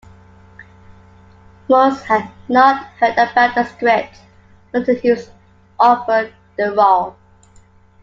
Morse had not heard about the script until he was offered the role.